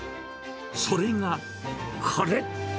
それがこれ。